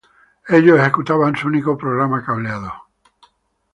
Ellos ejecutaban un único programa cableado.